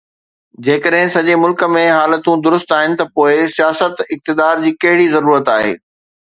جيڪڏهن سڄي ملڪ ۾ حالتون درست آهن ته پوءِ سياست، اقتدار جي ڪهڙي ضرورت آهي